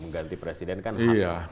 ganti presiden kan hak mereka